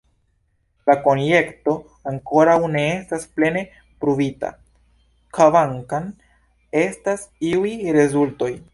La konjekto ankoraŭ ne estas plene pruvita, kvankam estas iuj rezultoj.